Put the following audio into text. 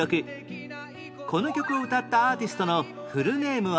この曲を歌ったアーティストのフルネームは？